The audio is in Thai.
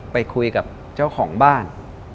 ไปคุยกับเจ้าของบ้าน